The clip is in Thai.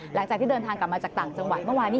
หลังจากที่เดินทางกลับมาจากต่างจังหวัดเมื่อวานนี้